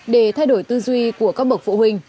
để thay đổi tư duy của các bậc phụ huynh